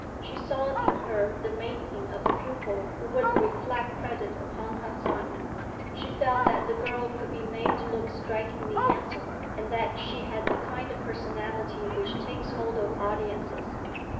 She saw in her the making of a pupil who would reflect credit upon Harsanyi. She felt that the girl could be made to look strikingly handsome, and that she had the kind of personality which takes hold of audiences.